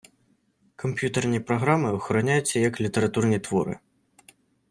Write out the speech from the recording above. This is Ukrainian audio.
Комп'ютерні програми охороняються як літературні твори.